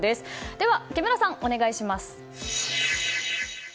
では木村さん、お願いします。